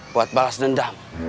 buat balas dendam